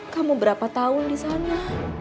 kamu berapa tahun disana